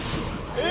え！